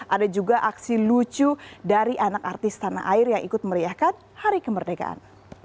ada juga aksi lucu dari anak artis tanah air yang ikut meriahkan hari kemerdekaan